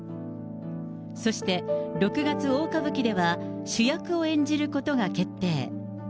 そして、六月大歌舞伎では主役を演じることが決定。